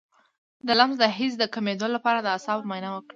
د لمس د حس د کمیدو لپاره د اعصابو معاینه وکړئ